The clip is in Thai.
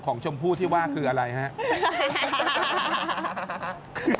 ชมพู่ที่ว่าคืออะไรครับ